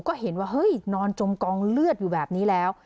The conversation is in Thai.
ก็เห็นว่าเฮ้ยนอนจมกองเลือดอยู่แบบนี้แล้ว